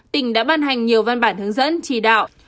tỉnh đã ban hành nhiều văn bản hướng dẫn chỉ đạo